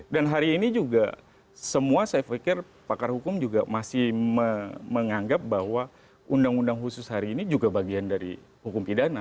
dan hari ini juga semua saya pikir pakar hukum juga masih menganggap bahwa undang undang khusus hari ini juga bagian dari hukum pidana